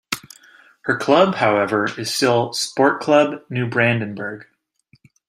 Her club, however, is still Sportclub Neubrandenburg.